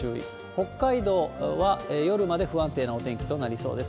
北海道は夜まで不安定なお天気となりそうです。